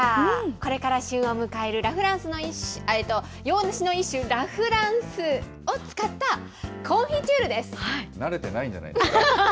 これから旬を迎える洋梨の一種、ラ・フランスを使ったコンフィチ慣れてないんじゃないですか。